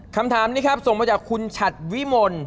คำถามนี้ครับส่งมาจากคุณฉัดวิมล